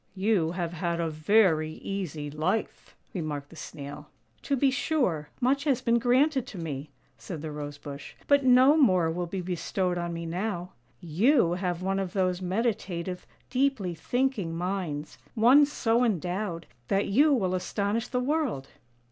' You have had a very easy life," remarked the Snail. " To be sure, much has been granted to me," said the Rose bush, " but no more will be bestowed on me now. You have one of those meditative, deeply thinking minds, one so endowed that you will astonish the world."